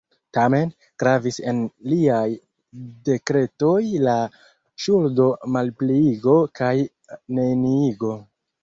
Tamen, gravis en liaj dekretoj la ŝuldo-malpliigo kaj -neniigo.